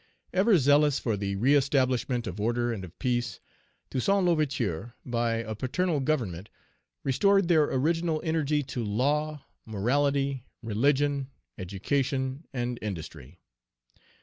Page 332 "Ever zealous for the reëstablishment of order and of peace, Toussaint L'Ouverture, by a paternal government, restored their original energy to law, morality, religion, education, and industry.